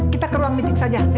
kita ke ruang meeting saja